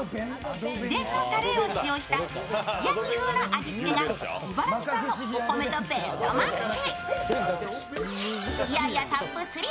秘伝のたれを使用した、すき焼き風の味付けが茨城産のお米とベストマッチ。